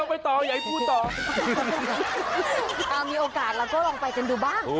มีโอกาสเราก็ลองไปกันดูบ้าง